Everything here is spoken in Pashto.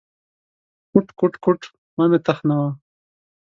_کوټ، کوټ، کوټ… مه مې تخنوه.